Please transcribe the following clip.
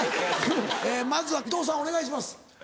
まずは伊藤さんお願いします。